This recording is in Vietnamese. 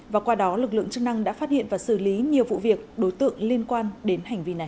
và qua đó lực lượng chức năng đã phát hiện và xử lý nhiều vụ việc đối tượng liên quan đến hành vi này